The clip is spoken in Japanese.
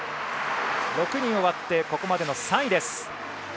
６人終わってここまでの３位です。